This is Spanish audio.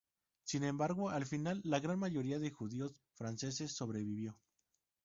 Sin embargo, al final, la gran mayoría de judíos franceses sobrevivió.